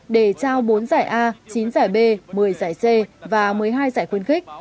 để trao bốn giải a chín giải b một mươi giải c và một mươi hai giải khuyến khích